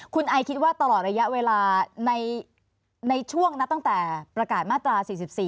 คุณไอคิดว่าตลอดระยะเวลาในช่วงตั้งแต่ประกาศมาตรา๔๔